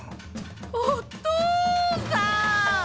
おとさん！